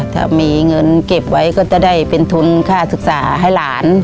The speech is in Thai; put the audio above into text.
ถ้ามีเงินเก็บไว้ก็จะได้เป็นทุนค่าศึกษาให้หลาน